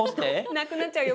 無くなっちゃうよ